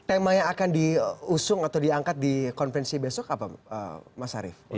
tema yang akan diusung atau diangkat di konferensi besok apa mas arief